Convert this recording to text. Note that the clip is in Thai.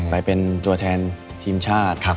ไปเป็นตัวแทนทีมชาติ